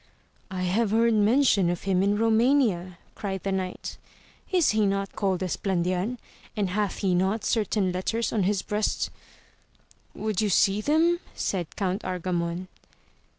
I have heard mention of him in Romania, cried the knight, is he not called Esplandian, and hath he not certain letters on his breast 1 Would you see them % said Count Argamon.